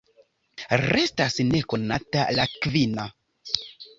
Restas nekonata la kvina.